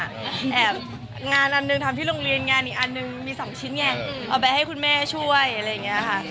แอบงานอันหนึ่งทำที่โรงเรียนงานอีกอันนึงมี๒ชิ้นไงเอาไปให้คุณแม่ช่วยอะไรอย่างนี้ค่ะ